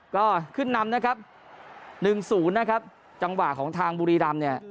ก็ขึ้นนำนะครับหนึ่งศูนย์นะครับจังหวะของทางบุรีรำเนี่ย